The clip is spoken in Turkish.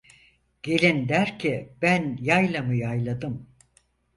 Gelin der ki ben yaylamı yayladım.